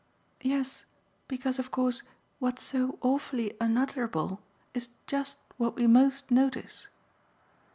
"Yes, because of course what's so awfully unutterable is just what we most notice.